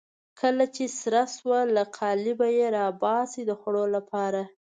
کله چې سره شوه له قالبه یې راباسي د خوړلو لپاره.